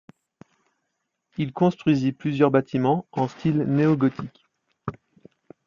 Il construisit plusieurs bâtiments en style néogothique.